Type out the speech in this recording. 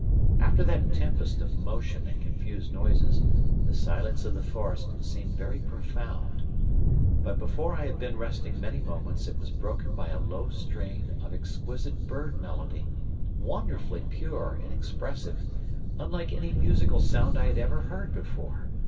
After that tempest of motion and confused noises the silence of the forest seemed very profound; but before I had been resting many moments it was broken by a low strain of exquisite bird melody, wonderfully pure and expressive, unlike any musical sound I had ever heard before.